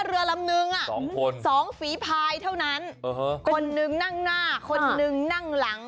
เรือลำนึงอ่ะสองคนสองฝีพายเท่านั้นคนนึงนั่งหน้าคนนึงนั่งหลัง